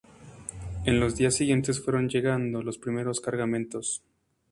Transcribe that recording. En los días siguientes fueron llegando los primeros cargamentos.